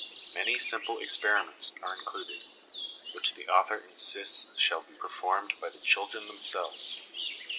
Many simple experiments are included, which the author insists shall be per formed by the children themselves.